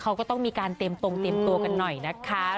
เขาก็ต้องมีการเตรียมตรงเตรียมตัวกันหน่อยนะคะ